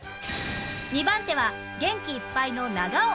２番手は元気いっぱいの長尾